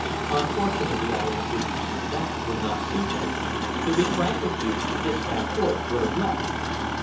"Unfortunately," I answered, "that would not suit me. To be frank with you, Miss Van Hoyt would have left."